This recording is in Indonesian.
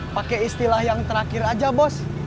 pakai istilah yang terakhir aja bos